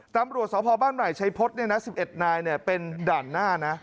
ตามบริวสภพบ้านใหม่ชัยพฤษ๑๑นายเนี่ยเป็นด่านหน้านะ